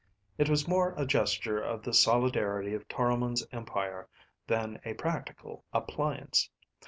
It was more a gesture of the solidarity of Toromon's empire than a practical appliance.